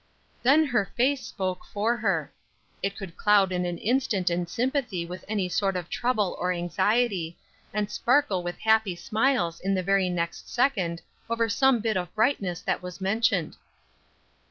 Then her face spoke for her; it could cloud in an instant in sympathy with any sort of trouble or anxiety, and sparkle with happy smiles in the very next second over some bit of brightness that was mentioned.